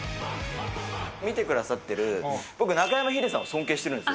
見てくださってる僕、中山ヒデさんを尊敬してるんです。